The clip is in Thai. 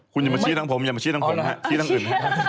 คุณอย่ามาชี้ทางผมชี้ทางอื่น